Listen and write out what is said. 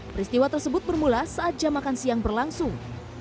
peristiwa tersebut bermula saat jam makan siang berlangsung